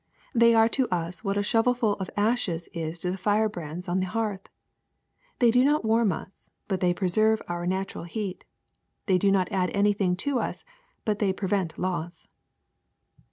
They are to us what a shovelful of ashes is to the . firebrands on the hearth. They do not warm us, but they preserve our natural heat; they do not add anything to us, but they prevent loss.'